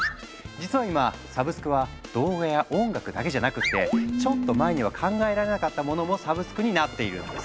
実は今サブスクは動画や音楽だけじゃなくってちょっと前には考えられなかったものもサブスクになっているんです。